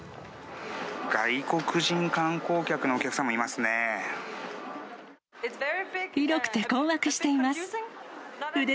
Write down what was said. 外国人観光客のお客さんもいますね。